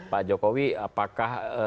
pak jokowi apakah